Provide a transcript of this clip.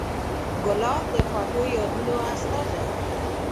ګلاب د خوږو یادونو استازی دی.